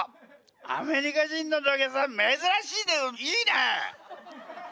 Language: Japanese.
アメリカ人の土下座珍しいけどいいね！